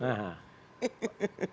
presiden jokowi akan diingat